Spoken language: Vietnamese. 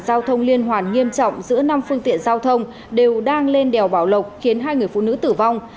giao thông liên hoàn nghiêm trọng giữa năm phương tiện giao thông đều đang lên đèo bảo lộc khiến hai người phụ nữ tử vong